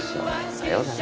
さようなら。